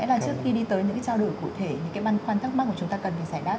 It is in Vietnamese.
và có lẽ trước khi đi tới những trao đổi cụ thể những băn khoăn thắc mắc của chúng ta cần giải đáp